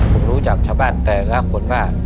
ผมรู้จากชาวบ้านแต่ละคนว่า